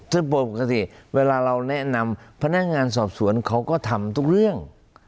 ซึ่งปกติเวลาเราแนะนำพนักงานสอบสวนเขาก็ทำทุกเรื่อง